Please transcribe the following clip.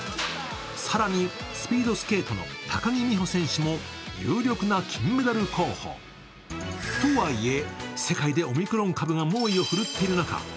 更にスピードスケートの高木美帆選手も有力な金メダル候補。とはいえ、世界でオミクロン株が猛威を振るっている中